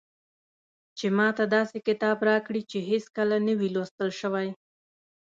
چې ماته داسې کتاب راکړي چې هېڅکله نه وي لوستل شوی.